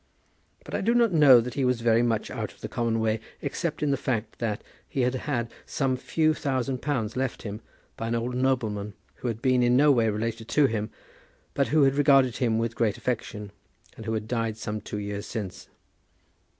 But I do not know that he was very much out of the common way, except in the fact that he had had some few thousand pounds left him by an old nobleman, who had been in no way related to him, but who had regarded him with great affection, and who had died some two years since.